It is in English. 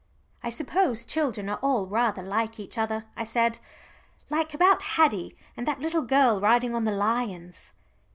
"I suppose children are all rather like each other," I said. "Like about Haddie, and that little girl riding on the lions."